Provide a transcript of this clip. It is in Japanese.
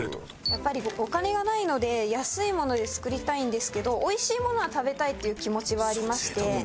やっぱりお金がないので安いもので作りたいんですけど美味しいものは食べたいっていう気持ちはありまして。